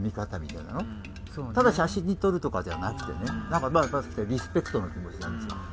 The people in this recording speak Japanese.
ただ写真に撮るとかじゃなくてねリスペクトの気持ちなんですよね。